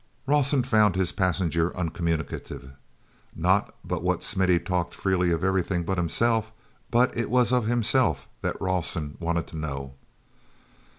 Rawson found his passenger uncommunicative. Not but what Smithy talked freely of everything but himself, but it was of himself that Rawson wanted to know.